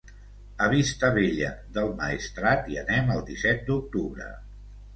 A Vistabella del Maestrat hi anem el disset d'octubre.